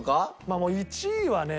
もう１位はね